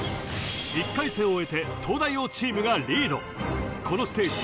１回戦を終えて東大王チームがリードこのステージ